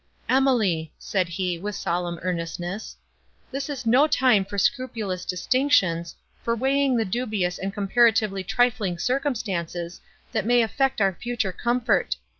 "Emily!" said he, with solemn earnestness, "this is no time for scrupulous distinctions, for weighing the dubious and comparatively trifling circumstances, that may affect our future comfort.